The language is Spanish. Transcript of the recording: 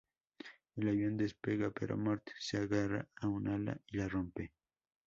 El avión despega, pero Mort se agarra a un ala y la rompe.